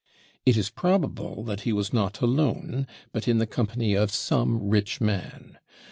It is probable that he .was not alone, but in the company of some rich man.